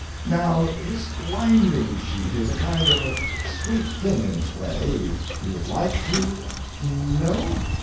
Now this winding sheet is a kind of a sweet thing in its way, if you would like to No?